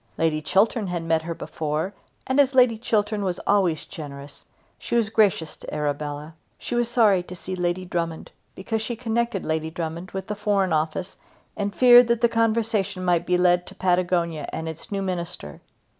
Lady Chiltern had met her before, and as Lady Chiltern was always generous, she was gracious to Arabella. She was sorry to see Lady Drummond, because she connected Lady Drummond with the Foreign Office and feared that the conversation might be led to Patagonia and its new minister.